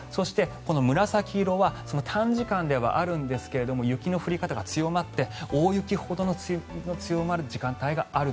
紫色は短時間ではあるんですが雪の降り方が強まって大雪ほどの降り方になります。